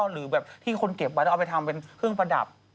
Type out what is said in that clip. หรือที่คนเก็บก็เอาไปทำเป็นเครื่องประดับ